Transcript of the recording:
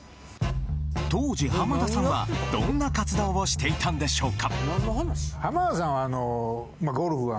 当時浜田さんはどんな活動をしていたんでしょうか浜田さんはあの。